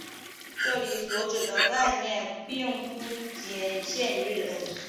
这里所指的概念并不仅限于人。